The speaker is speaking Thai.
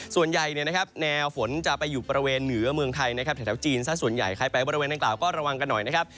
ส่วนใหญ่แนวฝนจะไปอยู่บริเวณเหนือเมืองไทยนะครับแถวจีนซะส่วนใหญ่ใครไปบริเวณนางกล่าวก็ระวังกันหน่อยนะครับ